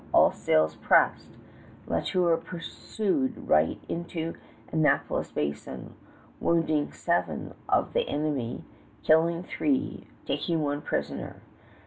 All sails pressed, La Tour pursued right into Annapolis Basin, wounding seven of the enemy, killing three, taking one prisoner.